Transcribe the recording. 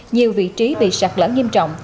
nhiều vị trí bị sạt lở nghiêm trọng